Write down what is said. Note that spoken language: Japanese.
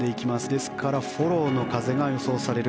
ですからフォローの風が予想される